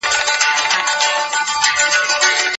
که ځیرک اوسې نو بریا ستا ده.